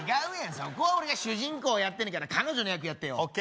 そこは俺が主人公やってんやから彼女の役やってよＯＫ